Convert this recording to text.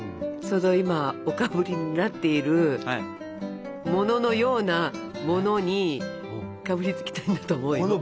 ちょうど今おかぶりになっているもののようなものにかぶりつきたいんだと思うよ。